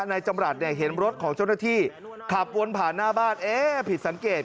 นายจำรัฐเนี่ยเห็นรถของเจ้าหน้าที่ขับวนผ่านหน้าบ้านเอ๊ะผิดสังเกต